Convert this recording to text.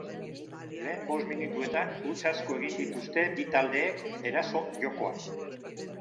Lehen bost minutuetan huts asko egin dituzte bi taldeek erasoko jokoan.